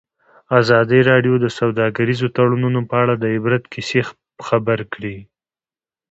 ازادي راډیو د سوداګریز تړونونه په اړه د عبرت کیسې خبر کړي.